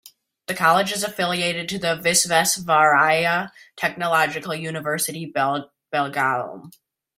The college is affiliated to the Visvesvaraya Technological University, Belgaum.